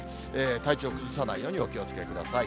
体調崩さないようにお気をつけください。